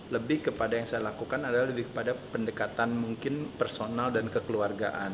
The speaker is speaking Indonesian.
lebih kepada yang saya lakukan adalah lebih kepada pendekatan mungkin personal dan kekeluargaan